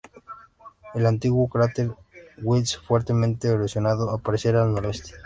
El antiguo cráter H. G. Wells, fuertemente erosionado, aparece al noroeste.